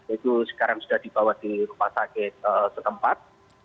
itu sekarang sudah dibawa di rumah sakit setempat